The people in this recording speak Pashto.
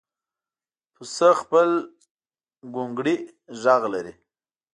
پسه خپل ګونګړی غږ لري.